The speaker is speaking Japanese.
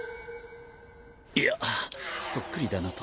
いやそっくりだなと。